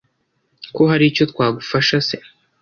ko haricyo twagufasha se